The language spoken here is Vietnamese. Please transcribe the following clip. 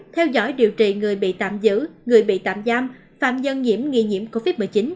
theo dõi điều trị người bị tạm giữ người bị tạm giam phạm nhân nhiễm nghi nhiễm covid một mươi chín